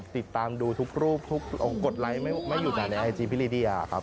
ติดตามดูทุกรูปกดไลค์ไม่หยุดในไอจีพี่ดีแล้วครับ